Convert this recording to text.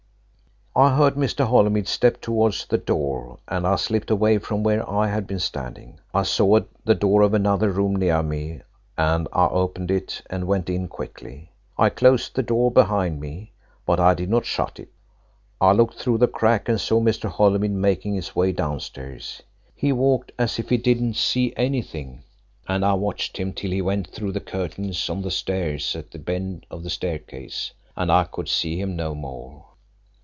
"I heard Mr. Holymead step towards the door, and I slipped away from where I had been standing. I saw the door of another room near me, and I opened it and went in quickly. I closed the door behind me, but I did not shut it. I looked through the crack and saw Mr. Holymead making his way downstairs. He walked as if he didn't see anything, and I watched him till he went through the curtains on the stairs at the bend of the staircase and I could see him no more.